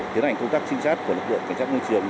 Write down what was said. tiến hành công tác trinh sát của lực lượng cảnh sát môi trường